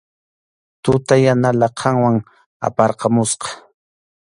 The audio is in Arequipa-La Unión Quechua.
Tuta yana laqhanwan ayparqamusqa.